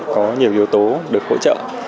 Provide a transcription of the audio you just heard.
có nhiều yếu tố được hỗ trợ